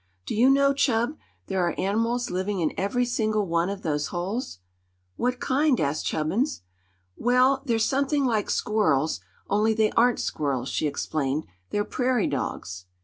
"Do you know, Chub, there are an'mals living in every single one of those holes?" "What kind?" asked Chubbins. "Well, they're something like squirrels, only they aren't squirrels," she explained. "They're prairie dogs."